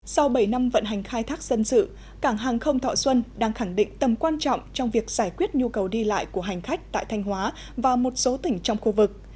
sau bảy năm vận hành khai thác dân sự cảng hàng không thọ xuân đang khẳng định tầm quan trọng trong việc giải quyết nhu cầu đi lại của hành khách tại thanh hóa và một số tỉnh trong khu vực